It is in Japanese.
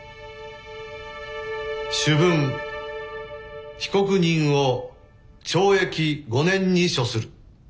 「主文被告人を懲役５年に処する。